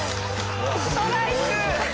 ストライク！